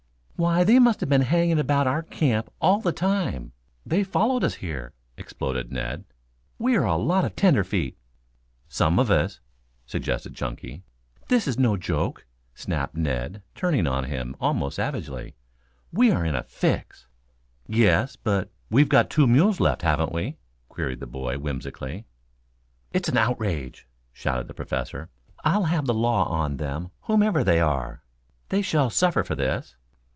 "Why, they must have been hanging about our camp all the time. They followed us here," exploded Ned. "We are a lot of tenderfeet." "Some of us," suggested Chunky. "This is no joke," snapped Ned, turning on him almost savagely. "We are in a fix." "Yes, but we've got two mules left, haven't we," queried the boy whimsically. "It's an outrage!" shouted the Professor. "I'll have the law on them whoever they are. They shall suffer for this!"